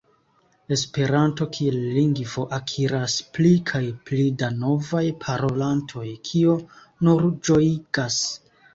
Esperanto kiel lingvo akiras pli kaj pli da novaj parolantoj, kio nur ĝojigas.